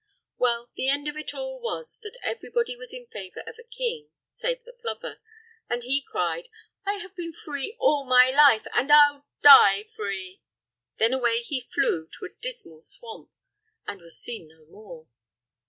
Well, the end of it all was that everybody was in favor of a king, save the plover, and he cried: "I have been free all my life, and I'll die free!" Then away he flew to a dismal swamp, and was seen no more.